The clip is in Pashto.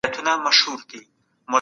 تا په درد كاتــــه اشــنــا